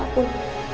dari apa pun